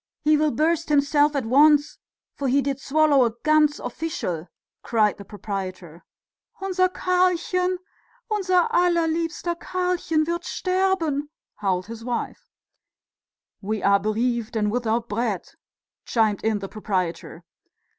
He will burst himself at once, for he did swallow a ganz official!" cried the proprietor. "Unser Karlchen, unser allerliebster Karlchen wird sterben," howled his wife. "We are bereaved and without bread!" chimed in the proprietor.